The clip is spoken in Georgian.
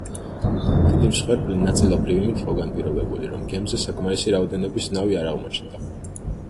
დიდი მსხვერპლი ნაწილობრივ იმით იყო განპირობებული, რომ გემზე საკმარისი რაოდენობის ნავი არ აღმოჩნდა.